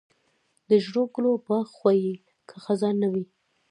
د ژړو ګلو باغ خو یې که خزان نه وي.